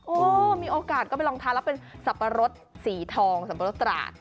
โอ๊ะมีโอกาสก็ภาพทาน้ำเป็นสับปะรดสีทองสับปะรดตราด